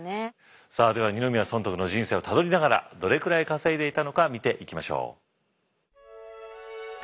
さあでは二宮尊徳の人生をたどりながらどれくらい稼いでいたのか見ていきましょう。